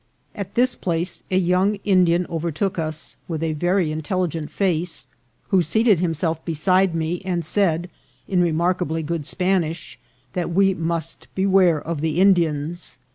At this place a young Indian overtook us, with a very intelligent face, who seated himself beside me, and said, in remarkably good Spanish, that we must beware of the Indians.